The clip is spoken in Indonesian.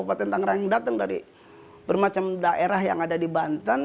obat tentang orang yang datang dari bermacam daerah yang ada di banten